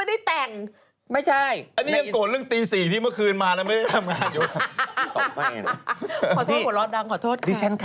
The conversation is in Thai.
ดีขอให้มันเป็น